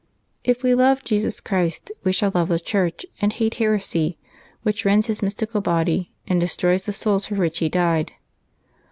— If we love Jesus Christ, we shall love the Church and hate heresy, which rends His mystical body, and destroys the souls for which He died.